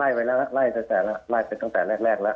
ล่ายก่อนด้วยล่างแล้ว